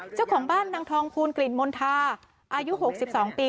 เจ้าของบ้านนางทองภูลกลิ่นมณฑาอายุ๖๒ปี